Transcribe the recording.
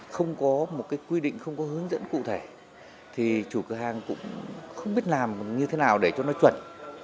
không có một cái quy định không có hướng dẫn cụ thể thì chủ cửa hàng cũng không biết làm như thế nào để cho nó chuẩn